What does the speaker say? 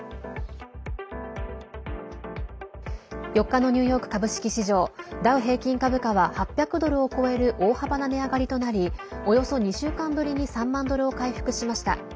４日のニューヨーク株式市場ダウ平均株価は８００ドルを超える大幅な値上がりとなりおよそ２週間ぶりに３万ドルを回復しました。